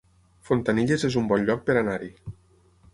Fontanilles es un bon lloc per anar-hi